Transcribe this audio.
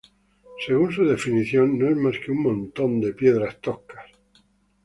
Según su definición no es más que un montón de piedras toscas.